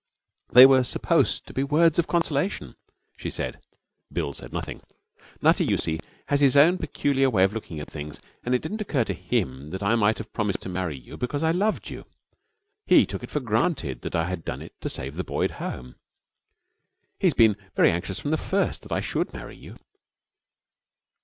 'They were supposed to be words of consolation,' she said. Bill said nothing. 'Nutty, you see, has his own peculiar way of looking at things, and it didn't occur to him that I might have promised to marry you because I loved you. He took it for granted that I had done it to save the Boyd home. He has been very anxious from the first that I should marry you.